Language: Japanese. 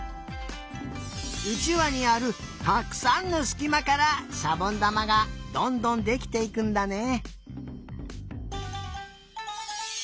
うちわにあるたくさんのすきまからしゃぼんだまがどんどんできていくんだね！